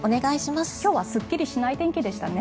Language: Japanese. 今日はすっきりしない天気でしたね。